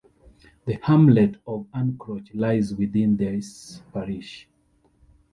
The hamlet of Arncroach lies within this parish.